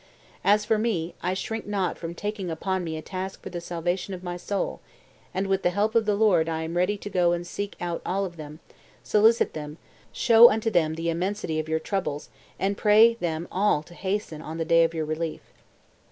As for me, I shrink not from taking upon me a task for the salvation of my soul; and with the help of the Lord I am ready to go and seek out all of them, solicit them, show unto them the immensity of your troubles, and pray them all to hasten on the day of your relief.